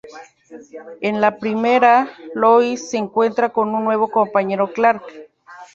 En la primera, Lois se encuentra con su nuevo compañero Clark.